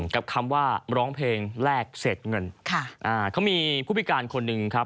กับคำว่าร้องเพลงแรกเสร็จเงินค่ะอ่าเขามีผู้พิการคนหนึ่งครับ